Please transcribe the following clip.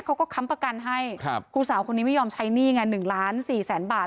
เขาก็ค้ำประกันให้ครูสาวคนนี้ไม่ยอมใช้หนี้๑๔ล้านบาท